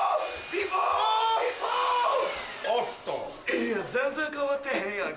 いや全然変わってへんやんけ。